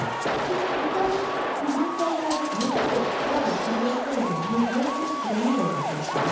ヘタの反対側ですねちょっと皮が取りやすいように十字に切れ目を入れておきます。